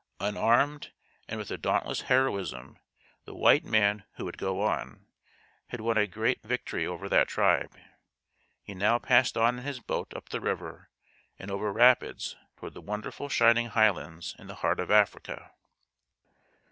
Unarmed and with a dauntless heroism the "white man who would go on" had won a great victory over that tribe. He now passed on in his boat up the river and over rapids toward the wonderful shining Highlands in the heart of Africa.